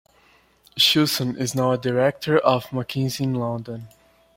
Shilson is now a director of McKinsey in London.